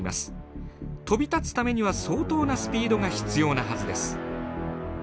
飛び立つためには相当なスピードが必要なはずです。